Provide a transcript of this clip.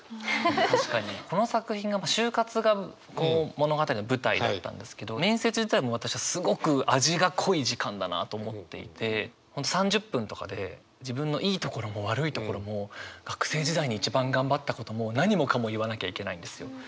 確かにこの作品が就活が物語の舞台だったんですけど面接自体私はすごく味が濃い時間だなと思っていて３０分とかで自分のいいところも悪いところも学生時代に一番頑張ったことも何もかも言わなきゃいけないんですよ。